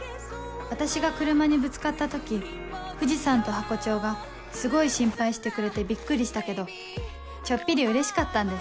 私が車にぶつかった時藤さんとハコ長がすごい心配してくれてびっくりしたけどちょっぴりうれしかったんです